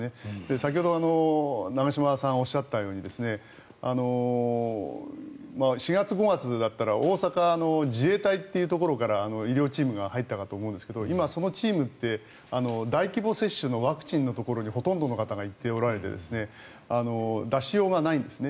先ほど長嶋さんがおっしゃったように４月、５月だったら大阪の自衛隊というところから医療チームが入ったかと思うんですが今、そのチームって大規模接種のワクチンのところにほとんどの方が行っておられて出しようがないんですね。